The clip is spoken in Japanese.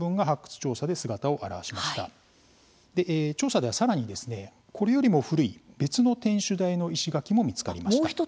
調査ではさらにこれよりも古い別の天守台の石垣も見つかりました。